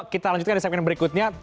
kita lanjutkan di segmen berikutnya